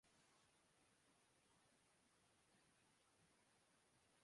اور وہ چند لمحوں کے لئے اپنی زندگی کے غموں اور پر یشانیوں کو فراموش کر دیتے ہیں ۔